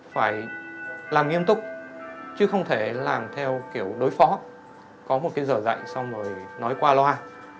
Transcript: phải làm nghiêm túc chứ không thể làm theo kiểu đối phó có một cái giờ dạy xong rồi nói qua loa